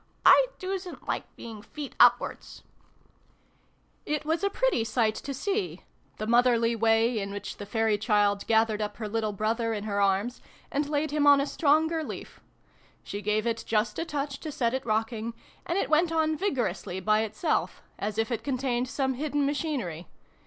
" I doosn't like being feet upwards !" It was a pretty sight to see the motherly way in which the fairy child gathered up her little brother in her arms, and laid him on a stronger leaf. She gave it just a touch to set it rocking, and it went on vigorously by itself, as if it contained some hidden machinery.